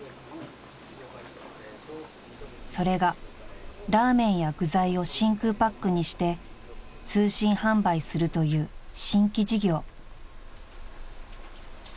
［それがラーメンや具材を真空パックにして通信販売するという新規事業］